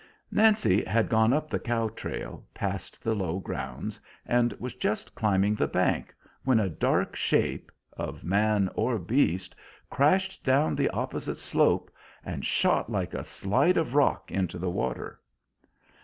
Nancy had gone up the cow trail, past the low grounds, and was just climbing the bank when a dark shape, of man or beast, crashed down the opposite slope and shot like a slide of rock into the water.